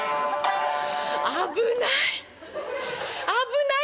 危ない！